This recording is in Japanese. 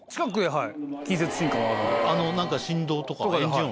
はい。